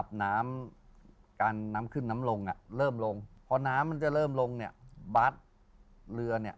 พายุเข้าคอดกระดวนปึ๊บทีนี้มันลื่น